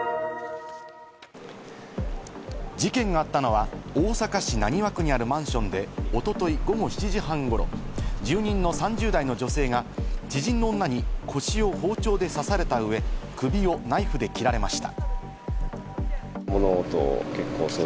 事件があったのは大阪市浪速区にあるマンションで、おととい午後７時半ごろ、住人の３０代の女性が知人の女に腰を包丁で刺された上、首をナイフで切られました。